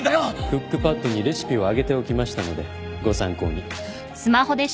クックパッドにレシピを上げておきましたのでご参考に。